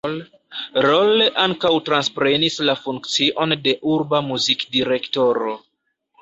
Rolle ankaŭ transprenis la funkcion de urba muzikdirektoro.